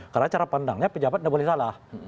karena cara pandangnya pejabat enggak boleh salah